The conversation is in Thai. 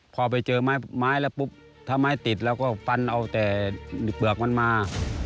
พอไปเจอไม้แล้วปุ๊บถ้าไม้ติดเราก็ฟันเอาแต่เปลือกมันมา